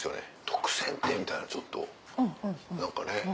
「特選って」みたいなちょっと何かね。